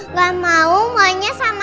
nggak mau maunya sama